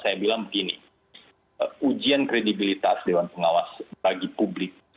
saya bilang begini ujian kredibilitas dewan pengawas bagi publik